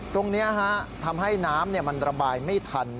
ตรงนี้ทำให้น้ำมันระบายไม่ทัน